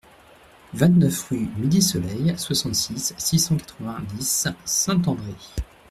vingt-neuf rue Midi-Soleil, soixante-six, six cent quatre-vingt-dix, Saint-André